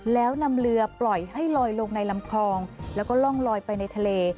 แล้วนำเรือปล่อยให้ลอยลงในลำคลองแล้วก็ล่องลอยไปในทะเล